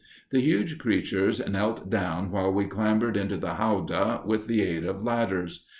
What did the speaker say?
The huge creatures knelt down while we clambered into the howdah with the aid of ladders.